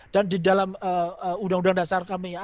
dan di dalam undang undang dasar kami